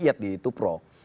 lihat di youtube pro